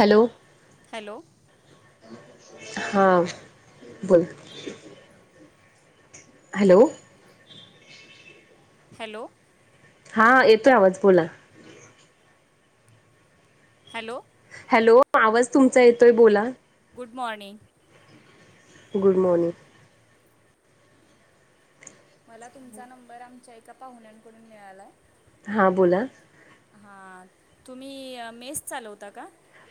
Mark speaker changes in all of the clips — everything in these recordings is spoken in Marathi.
Speaker 1: हॅलो
Speaker 2: हॅलो
Speaker 1: हा बोल हॅलो
Speaker 2: हॅलो
Speaker 1: हा येतोय आवाज बोला
Speaker 2: हॅलो
Speaker 1: हॅलो आवाज तुमचा येतोय बोला
Speaker 2: गुड मॉर्निंग
Speaker 1: गुड मॉर्निंग
Speaker 2: मला तुमचा नंबर आमच्या एका पाहुण्यांकडून मिळालाय.
Speaker 1: हां बोला,
Speaker 2: हां तुम्ही मेस चालवता का?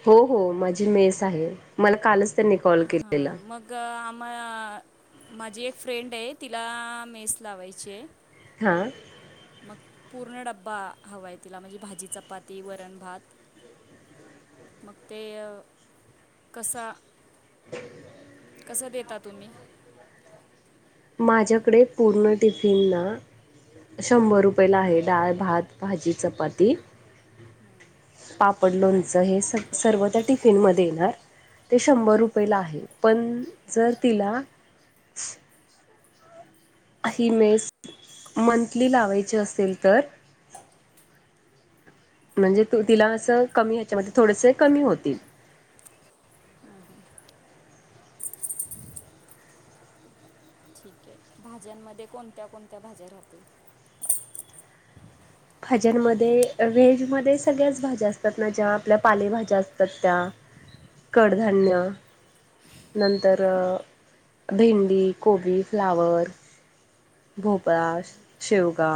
Speaker 1: हो हो माझी मेस आहे. मला कालच त्यांनी कॉल
Speaker 2: हां
Speaker 1: केलेला
Speaker 2: मग ग आम्हा माझी एक फ्रेंडय तिला मेस लावायचीय
Speaker 1: हां
Speaker 2: मग पूर्ण डब्बा हवाय, तिला म्हणजे भाजी चपाती वरण भात मग ते कसा?
Speaker 1: ह [inaudible]
Speaker 2: कसं देता तुम्ही?
Speaker 1: माझ्याकडे पूर्ण टिफिन ना शंभर रुपयला आहे. डाळ भात भाजी चपाती
Speaker 2: हम्म
Speaker 1: पापड, लोणचं हे सर्व त्या टिफिन मध्ये येणार ते शंभर रुपयेला आहे पण जर तिला? ही मेस मंथली लावायची असेल तर म्हणजे तू तिला असं कमी ह्याच्यामध्ये थोडसे कमी होतील.
Speaker 2: ह ह ठीक आहे. भाज्यांमध्ये कोणत्या कोणत्या भाज्या राहतील?
Speaker 1: भाज्यांमध्ये व्हेजमध्ये सगळ्याच भाज्या असतात ना ज्या आपल्या पालेभाज्या असतात त्या कडधान्य नंतर भेंडी, कोबी, फ्लावर भोपळ, शेवगा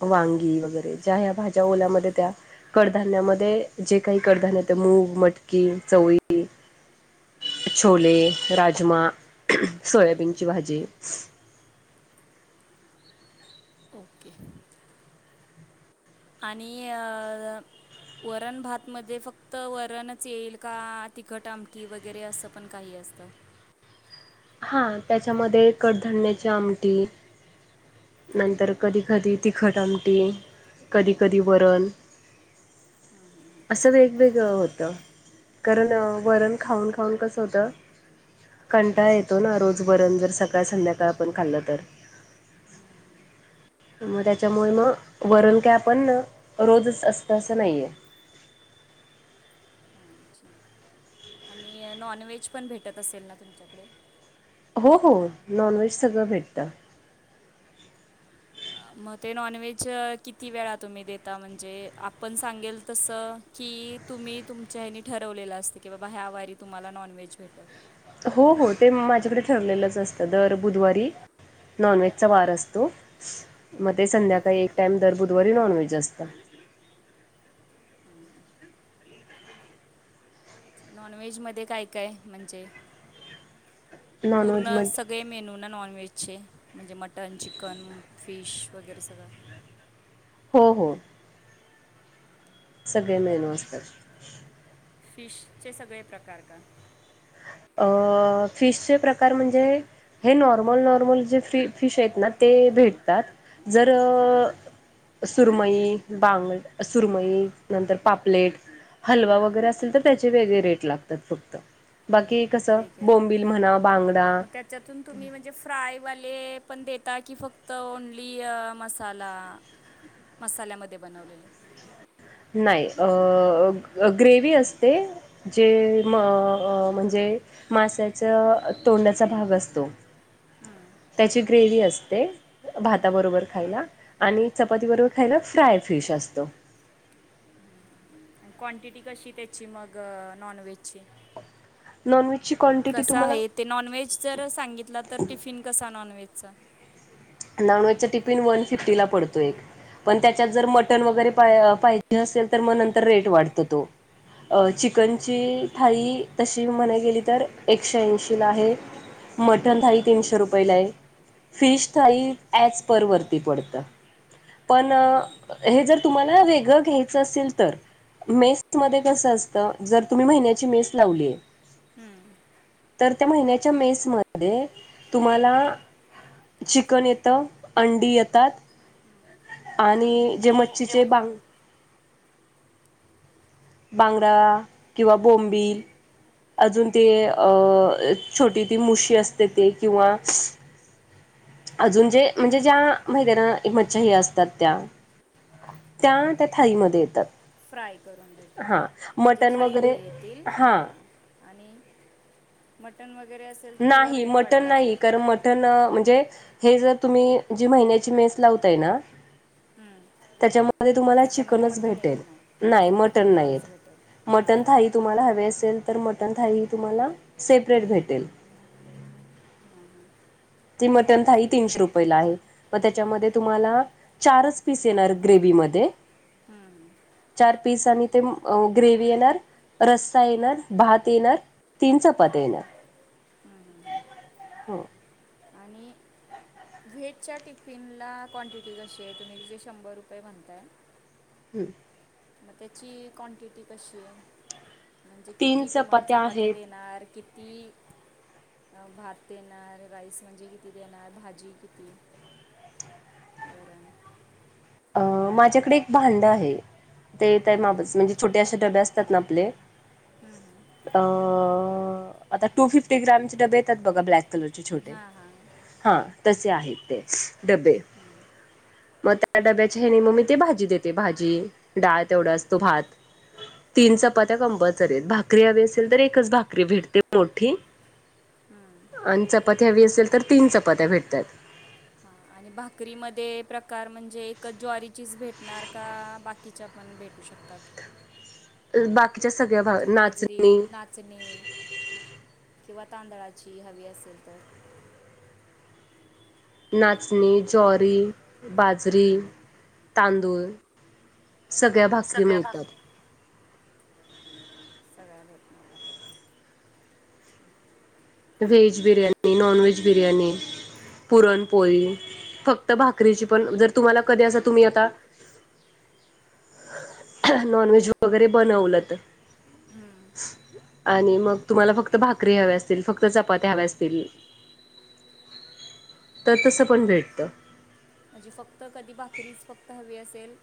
Speaker 1: वांगी वगैरे ज्या ह्या भाज्या ओलामध्ये त्या कडधान्यामध्ये जे काही कडधान्य येत मूग, मटकी, चवळी छोले, राजमा, सोयाबीनची भाजी
Speaker 2: [inaudible] ओके आणि अं वरण भातमध्ये फक्त वरणच येईल का तिखट आमटी वगैरे असं पण काही असतं?
Speaker 1: हा त्याच्यामध्ये कडधन्याची आमटी नंतर कधी कधी तिखट आमटी कधी कधी वरण
Speaker 2: हम्म हम्
Speaker 1: असं वेगवेगळं होतं कारण वरण खाऊन खाऊन कसं होतं. कंटाळा येतो ना रोज वरण जर सकाळ संध्याकाळ आपण खाल्लं तर
Speaker 2: [inaudible] हम्म
Speaker 1: मग त्याच्यामुळे मग वरण काय आपण रोजच असतं असं नाहीये
Speaker 2: [inaudible] हं ठीकय आणि नॉन व्हेज पण भेटत असेल ना तुमच्याकडे?
Speaker 1: हो हो नॉनव्हेज सगळं भेटतं.
Speaker 2: मग ते नॉनव्हेज किती वेळा तुम्ही देता म्हणजे, आपण सांगेल तसं. की तुम्ही तुमच्या हने ठरवलेलं असते की बाबा ह्या वारी तुम्हाला नॉन व्हेज भेटल.
Speaker 1: हो हो ते माझ्याकडे ठरलेलंच असतं दर बुधवारी नॉनव्हेज चा वार असतो. मग ते संध्याकाळी एक टाइम दर बुधवारी नॉनव्हेज असत.
Speaker 2: हम! नॉन व्हेज मध्ये काय काय म्हणजे
Speaker 1: नॉनव्हेज
Speaker 2: पूर्ण
Speaker 1: मग
Speaker 2: स ते मेनू ना नॉन व्हेजचे म्हणजे मटन, चिकन, फिश वगैरे सगळं.
Speaker 1: हो हो. सगळे मेनू असतात.
Speaker 2: फिशचे सगळे प्रकार का?
Speaker 1: अ फिशचे प्रकार म्हणजे, हे नॉर्मल नॉर्मल जे फी फिश आहेत ना ते भेटतात जर सुरमई बांगड सुरमई नंतर पापलेट. हलवा वगैरे असेल तर त्याचे वेगळे रेट लागतात फक्त. बाकी कसं बोंबिल म्हणा बांगडा,
Speaker 2: त्यातून तुम्ही म्हणजे फ्रायवाले पण देता की फक्त ओनली मसाला. मसाल्यामध्ये बनवलेले.
Speaker 1: नाही अ ग्रेवी असते. जे म म्हणजे माशाच्या तोंडाचा भाग असतो.
Speaker 2: हम्म!
Speaker 1: त्याची ग्रेवी असते. भाताबरोबर खायला आणि चपाती बरोबर खायला फ्राय फिश असतो.
Speaker 2: हम्म! क्वांटिटी कशी त्याची मग नॉन व्हेजची.
Speaker 1: नॉनव्हेजची कॉन्टिटी तुम्हाला.
Speaker 2: ते नॉनव्हेज जर सांगितलं तर टिफिन कसा नॉनव्हेजचा.
Speaker 1: नॉनव्हेज चा टिफिन वन फिफ्टीला पडतो एक पण त्याच्यात जर मटन वगैरे पा पाहिजे असेल तर मग नंतर रेट वाढत तो. अ चिकनची थाई तशी म्हणा गेली तर एकशे ऐंशी ला आहे. मटन थाई तीनशे रुपयेला आहे. फिश थाई ऍज पर वरती पडतंय. पण हे जर तुम्हाला वेगळं घ्यायचं असेल तर, मेस मध्ये कस असत जर तुम्ही महिन्याची मेस लावलीय.
Speaker 2: हम्म!
Speaker 1: तर त्या महिन्याच्या मेसमध्ये तुम्हाला चिकन येतं अंडी येतात आणि जे मच्छीचे बांग बांगड किंवा बोंबील. अजून ते अं छोटी ती मुशी असते ते किंवा अजून जे म्हणजे ज्या महिद्यानां एकमतच्याही असतात त्या. त्या त्या थाळीमध्ये येतात.
Speaker 2: फ्राय करून देत
Speaker 1: हां
Speaker 2: म्हणजे
Speaker 1: मटण वगैरे
Speaker 2: थाळीमध्ये येतील हां. आणि मटण वगैरेअसं
Speaker 1: नाही मटन नाही कारण मट म्हणजे हे जर तुम्ही जी महिन्याची मेस लावताय ना
Speaker 2: हम्म.
Speaker 1: त्याच्यामध्ये तुम्हाला
Speaker 2: त्याच्यामध्ये
Speaker 1: चिकनच
Speaker 2: मटण
Speaker 1: भेटेल
Speaker 2: येत
Speaker 1: नाही
Speaker 2: फक्त
Speaker 1: मटन नाही
Speaker 2: चिकनच भेटेल हां
Speaker 1: मटन
Speaker 2: हां हां
Speaker 1: थाइ तुम्हाला हवे असेल तर मटन थाई ह तुम्हाला सेपरेट भेटेल.
Speaker 2: हां ह.
Speaker 1: तमटन थ तनश रुपय म त्याच्यामध्ये तुम्हाला चारच पीस येणार ग्रेव म
Speaker 2: हम्
Speaker 1: चार पीस आणि ते ग्रेव्ही येणार रस्सा येणार भात येणार तीन चपात्या येणार
Speaker 2: हम्म. हम्म.
Speaker 1: हो
Speaker 2: आणि व्हेजया टिफिन ला क्वांटिटी कशी आहे तुम्ही तिे शंभर रुपये म्हणताय
Speaker 1: हम्म
Speaker 2: मग त्याची क्नाटीटी कशी आहे म्हणजे
Speaker 1: तीन
Speaker 2: किती तुम्हाला चपात्या
Speaker 1: आहेत
Speaker 2: देणार किती भात देणार राईस म्हणजे किती देणार भाजी किती वर
Speaker 1: अ माझ्याकडे एक भांड आहे ते त्या
Speaker 2: हम्म,
Speaker 1: मापाचे म्हणजे छोटे असशे डबे असतात ना आपले
Speaker 2: हम् हम्
Speaker 1: अ आता टू फिफ्टी ग्रमचे डबे येतात बघा ब्लॅक कलरचे छोटे
Speaker 2: हां हां
Speaker 1: हां तसे आहेत ते डबे
Speaker 2: हम्
Speaker 1: मग त्या डब्याच्या हनी मग मी ते भाजी देते भाजी डाळ तेवढा असतो भात तीन चपात्या कंपल्सरी आहेत भाकरी हवी असेल तर एकच भाकरी भेटते मोठी
Speaker 2: हम्म
Speaker 1: आणि चपात्या हवी असेल तर तीन चपात्या भेटतात
Speaker 2: हां आणि भाकरीमध्ये प्रकार म्हणजे एकच ज्वारीचीच भेटणार का बाकी ण भेटू शकतात
Speaker 1: अ, बाकीच्या सगळ्या भा
Speaker 2: म्हणजे बाजरी
Speaker 1: नाचणी,
Speaker 2: तांदूळ नाचणी किंवा तांदळाची हवी असेल तर
Speaker 1: नाचणी जरी बाजरी तांदूळ सगळ्या भाकरी मिळतात
Speaker 2: सगळ्यां घेतणार बापरी आहे
Speaker 1: veg biryani non veg biryani पुरणपोळी फक्त भाकरीची पण जर तुम्हाला कधी असं तुम्ही आता नॉन व्हेज वगैरे बनवलं तर
Speaker 2: हम्म
Speaker 1: आणि मग तुम्हाला फक्त भाकरी हवीया असतील फक्त चपात्या हव्या असतील तर तसं पण भेटतं
Speaker 2: म्हणजी फक्त कधी भाकरीच फक्त हवी असेल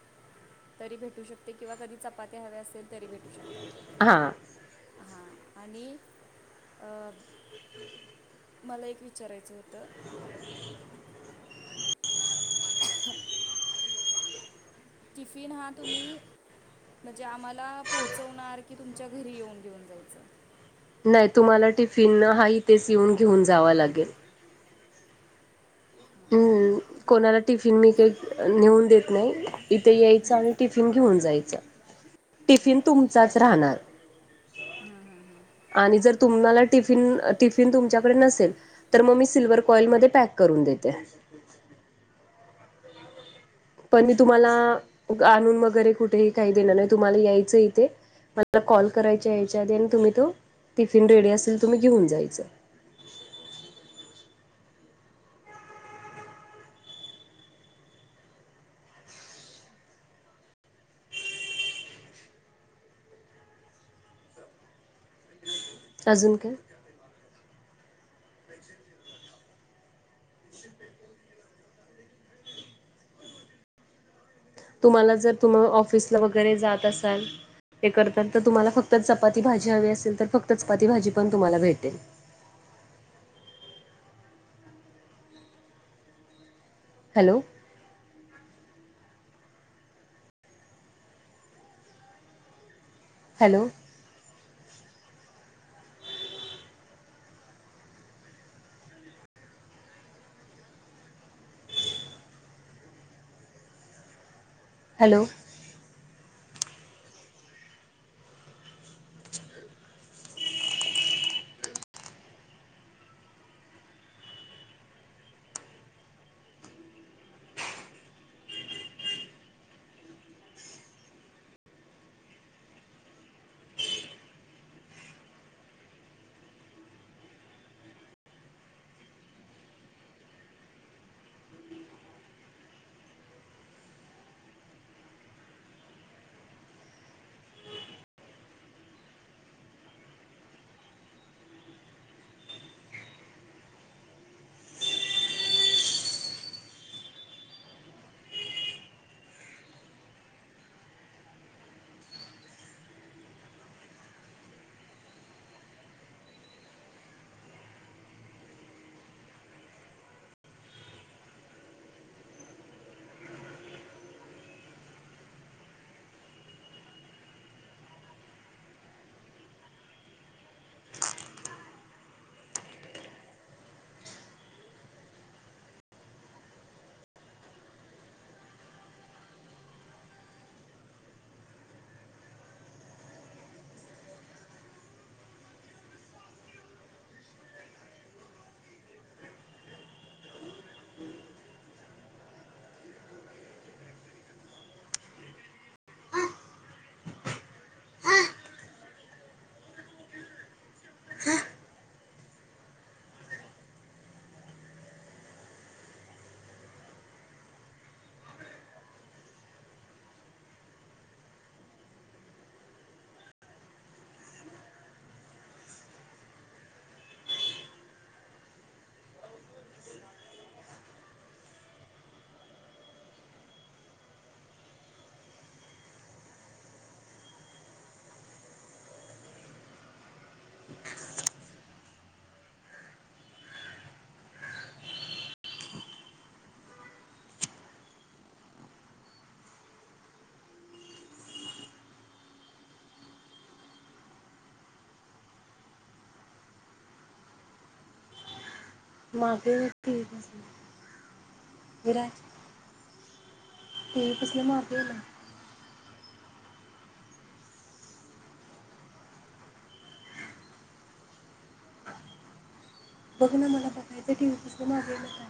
Speaker 2: तरी भेटू शकते किंवा कधी चपात्या हवे असेल तरी भेटू शकतात
Speaker 1: हां
Speaker 2: हां आणि मला एक विचारायचं होतं ह टिफिन हा तुम्ही म्हणजे आम्हाला पोहोचवणार की तुमच्या घरी येऊन घेऊन जायचं
Speaker 1: नाही तुम्हाला टिफिन हा तेच येऊन घेऊन जावा लागेल
Speaker 2: हां हां
Speaker 1: हम्म कोणाला टिफिन मी का
Speaker 2: मग
Speaker 1: नेऊन देत नाही इथे यायचं आणि टिफिन टिफिन घेऊन जायच टिफिन तुमचाच राहणार
Speaker 2: हम्म हम्म हम्म
Speaker 1: आणि जर तुम्हाला टिफिन टिफिन तुमच्याकडे नसेल तर मग मी सिल्ववरर फाईलमध्येध्ये पॅक करून देते पण मी तुम्हाला आणून वगैरे कुठेही काही देणार नाही तुम्हाला यायचं इथे मला कॉल करायच्या याच्या आधी आणि तुम्ही तो टिफिन रेडी असेल तुम्ही घेऊन जायचं अजून काय? तुम्हाला जर तुम्हा ऑफिसला वगैरे जात असाल, हे करतात तर तुम्हाला फक्त चपाती भाजी हवी असेल, तर फक्त चपाती भाजी पण तुम्हाला भेटेल. हॅलो, हॅलो, हॅलो, [inaudible] [unintelligible] [inaudible] मागे तीन हजार. विराज तेही कसलं मार गेलं. बघ ना मला बघायचं टीव्ही कसले मागे येताय.